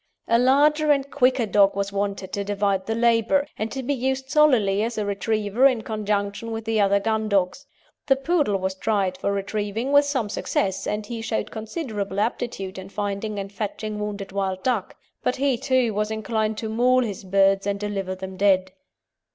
A larger and quicker dog was wanted to divide the labour, and to be used solely as a retriever in conjunction with the other gun dogs. The Poodle was tried for retrieving with some success, and he showed considerable aptitude in finding and fetching wounded wild duck; but he, too, was inclined to maul his birds and deliver them dead.